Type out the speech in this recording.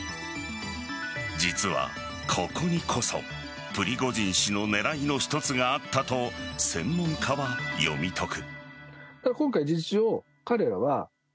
実は、ここにこそプリゴジン氏の狙いの一つがあったと専門家は読み解く。